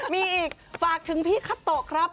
มีอีกฝากถึงพี่คาโตะครับ